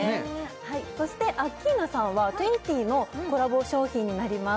はいそしてアッキーナさんはトゥイーティーのコラボ商品になります